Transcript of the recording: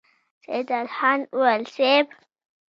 سيدال خان وويل: صېب!